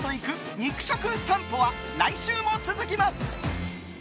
肉食さんぽは来週も続きます。